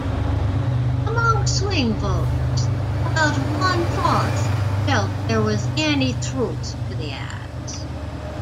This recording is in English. Among swing voters, about one-fourth felt there was any truth to the ads.